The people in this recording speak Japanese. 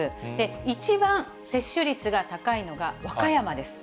一番接種率が高いのが和歌山です。